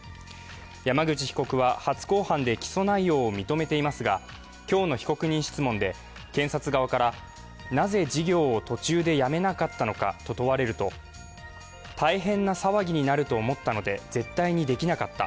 山口被告は初公判で起訴内容を認めていますが、今日の被告人質問で検察側から、なぜ事業を途中でやめなかったのかと問われると大変な騒ぎになると思ったので絶対にできなかった、